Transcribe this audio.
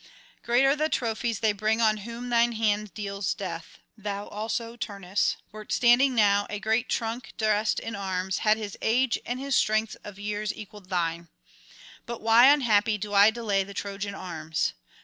Great are the trophies they bring on whom thine hand deals death; thou also, Turnus, wert standing now a great trunk dressed in arms, had his age and his strength of years equalled thine. But why, unhappy, do I delay the Trojan arms?